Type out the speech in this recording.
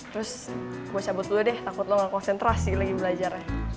terus gue cabut dulu deh takut lo gak konsentrasi lagi belajar ya